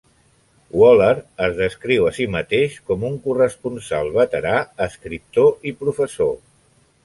Waller es descriu a si mateix com un corresponsal veterà, escriptor i professor.